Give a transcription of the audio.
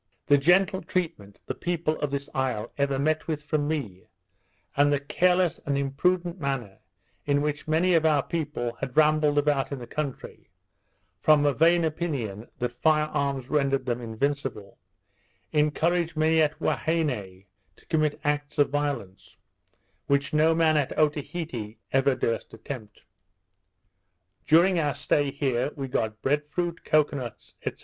The gentle treatment the people of this isle ever met with from me, and the careless and imprudent manner in which many of our people had rambled about in the country, from a vain opinion that firearms rendered them invincible, encouraged many at Huaheine to commit acts of violence, which no man at Otaheite ever durst attempt. During our stay here we got bread fruit, cocoa nuts, &c.